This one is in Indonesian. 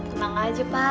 tenang aja pak